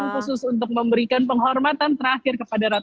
khusus untuk memberikan penghormatan terakhir